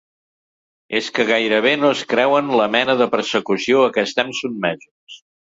És que gairebé no es creuen la mena de persecució a què estem sotmesos.